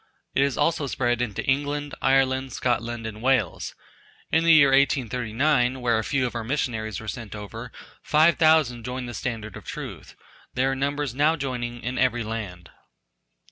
It has also spread into England, Ireland, Scotland, and Wales: in the year 1839 where a few of our missionaries were sent over five thousand joined the standard of truth, there are numbers now joining in every land.